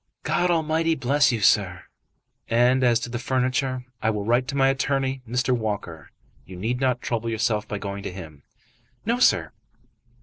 "God Almighty bless you, sir!" "And as to the furniture, I will write to my attorney, Mr. Walker. You need not trouble yourself by going to him." "No, sir."